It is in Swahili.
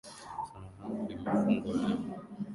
Samahani, limefungwa leo.